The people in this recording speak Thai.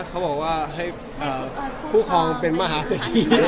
เขาบอกว่าให้คู่ครองเป็นมหาเศรษฐี